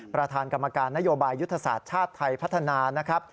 ประธานกรรมการนโยบายยุทธศาสตร์ชาติไทยพัฒนานะครับ